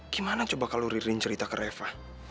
gimana coba kalau ririn cerita ke reva